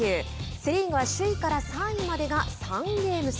セ・リーグは首位から３位までが３ゲーム差。